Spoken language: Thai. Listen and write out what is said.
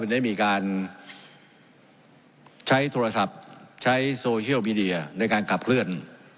ได้มีการใช้โทรศัพท์ใช้โซเชียลมีเดียในการขับเคลื่อน